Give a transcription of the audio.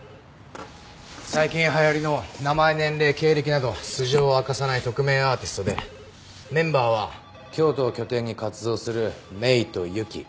最近流行りの名前年齢経歴など素性を明かさない匿名アーティストでメンバーは京都を拠点に活動するＭＡＹとＹＵＫＩ。